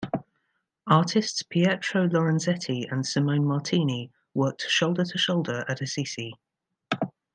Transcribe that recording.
Artists Pietro Lorenzetti and Simone Martini worked shoulder to shoulder at Assisi.